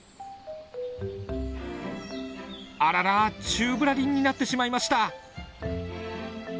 あらら宙ぶらりんになってしまいました。